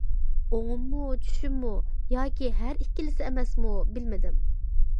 ئوڭۇممۇ- چۈشۈممۇ ياكى ھەر ئىككىلىسى ئەمەسمۇ بىلمىدىم.